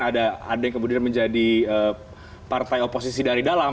ada yang kemudian menjadi partai oposisi dari dalam